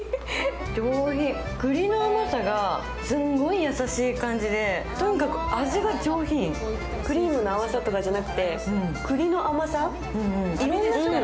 上品、くりの甘さがすんごい優しい感じで、とにかく味が上品、クリームの甘さとかじゃなくて、くりの甘さ。